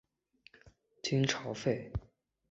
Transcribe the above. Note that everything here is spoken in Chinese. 金朝废。